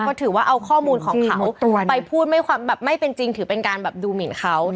ก็ถือว่าเอาข้อมูลของเขาไปพูดไม่เป็นจริงถือเป็นการแบบดูหมินเขา